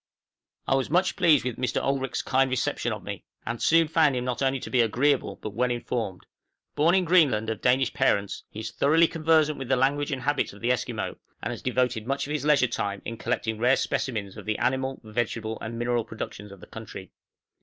I was much pleased with Mr. Olrik's kind reception of me, and soon found him to be not only agreeable but well informed; born in Greenland, of Danish parents, he is thoroughly conversant with the language and habits of the Esquimaux, and has devoted much of his leisure time in collecting rare specimens of the animal, vegetable, and mineral productions of the country.